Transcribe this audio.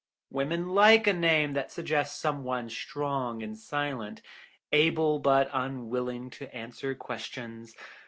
"Women like a name that suggests some one strong and silent, able but unwilling to answer questions.